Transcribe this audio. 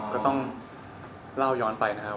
ก็ต้องเล่าย้อนไปนะครับ